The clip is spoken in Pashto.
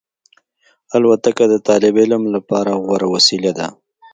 الوتکه د طالب علم لپاره غوره وسیله ده.